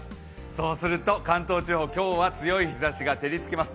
そうすると関東地方強い日ざしが照りつけます。